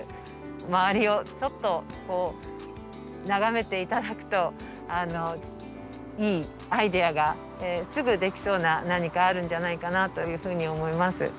周りをちょっとこう眺めて頂くといいアイデアがすぐできそうな何かあるんじゃないかなというふうに思います。